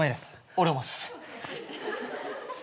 俺もっす。